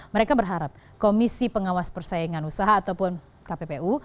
mereka berharap komisi pengawas persaingan usaha ataupun kppu